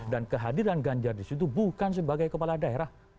dan kehadiran ganjar di situ bukan sebagai kepala daerah